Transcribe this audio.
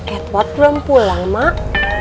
edward belum pulang mak